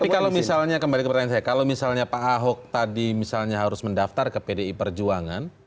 tapi kalau misalnya kembali ke pertanyaan saya kalau misalnya pak ahok tadi misalnya harus mendaftar ke pdi perjuangan